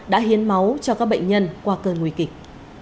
đã hiến máu cho các bệnh nhân qua cơn nguy kịch